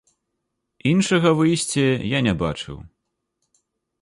Іншага выйсця я не бачыў.